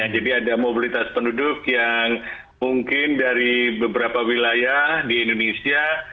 jadi ada mobilitas penduduk yang mungkin dari beberapa wilayah di indonesia